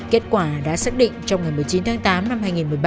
kết quả đã xác định trong ngày một mươi chín tháng tám năm hai nghìn một mươi ba